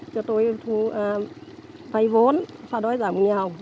cho tôi vay vốn và đói giảm nghèo